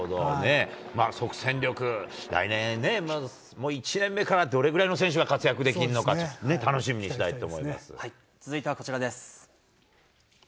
即戦力、来年ね、まず１年目からどれぐらいの選手が活躍できるのか、楽しみにした続いてはこちらです。